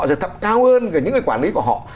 rồi thậm cao hơn cả những cái quản lý của họ